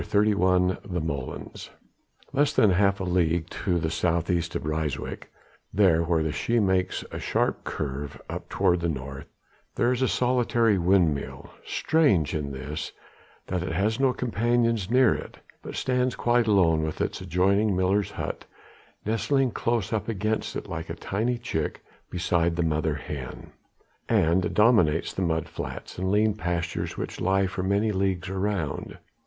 CHAPTER XXXI THE MOLENS Less than half a league to the southeast of Ryswyk there where the Schie makes a sharp curve up toward the north there is a solitary windmill strange in this, that it has no companions near it, but stands quite alone with its adjoining miller's hut nestling close up against it like a tiny chick beside the mother hen, and dominates the mud flats and lean pastures which lie for many leagues around.